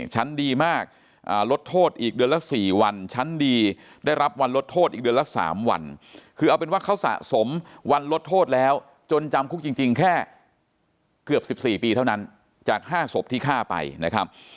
ชั้นดีมากลดโทษอีกเดือนละ๔วันชั้นดีได้รับวันลดโทษอีกเดือนละ๓วันคือเอาเป็นว่าเขาสะสมวันลดโทษแล้วจนจำคุกจริงแค่เกือบ๑๔ปีเท่านั้นจาก๕ศพที่ฆ่าไปนะครับ